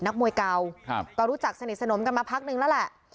นักมวยเก่าก็รู้จักสนิทสนมกันมาพักนึงแล้วแหละ